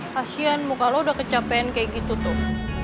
kasian muka lo udah kecapean kayak gitu tuh